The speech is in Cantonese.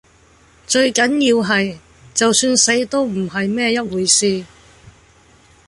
最緊要係，就算死都唔係乜嘢一回事。